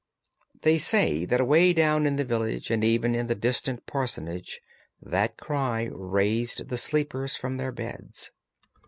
They say that away down in the village, and even in the distant parsonage, that cry raised the sleepers from their beds.